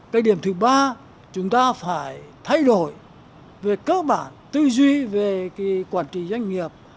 cái điểm thứ ba chúng ta phải thay đổi về cơ bản tư duy về cái quản trị doanh nghiệp